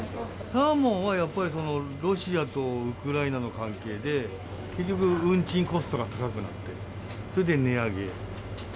サーモンはやっぱり、ロシアとウクライナの関係で、結局、運賃コストが高くなって、それで値上げ。